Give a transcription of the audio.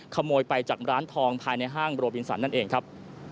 ขโมยไปจากร้านทองภายในห้างโรบินสันนั่นเองครับ